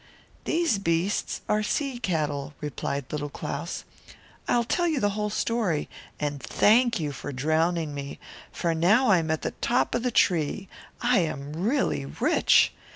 "These beasts are sea cattle," replied Little Claus. "I'll tell you the whole story, and thank you for drowning me; I am above you now, I am really very rich.